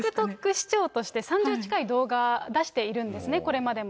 市長として３０近い動画出しているんですね、これまでも。